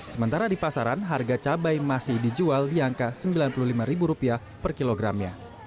sementara di pasaran harga cabai masih dijual di angka rp sembilan puluh lima per kilogramnya